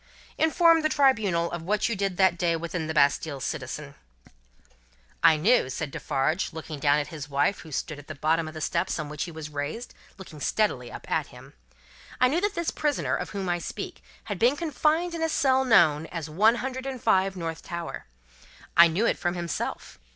"Inform the Tribunal of what you did that day within the Bastille, citizen." "I knew," said Defarge, looking down at his wife, who stood at the bottom of the steps on which he was raised, looking steadily up at him; "I knew that this prisoner, of whom I speak, had been confined in a cell known as One Hundred and Five, North Tower. I knew it from himself.